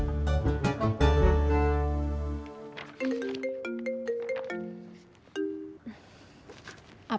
sampai jumpa lagi